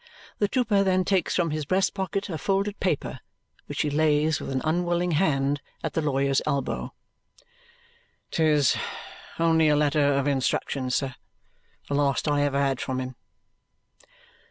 The trooper then takes from his breast pocket a folded paper, which he lays with an unwilling hand at the lawyer's elbow. "'Tis only a letter of instructions, sir. The last I ever had from him."